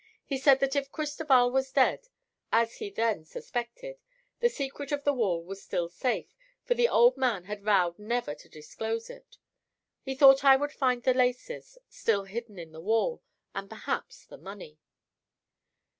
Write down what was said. He said that if Cristoval was dead, as he then suspected, the secret of the wall was still safe, for the old man had vowed never to disclose it. He thought I would find the laces still hidden in the wall, and perhaps the money."